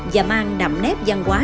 và mang đậm nét văn hóa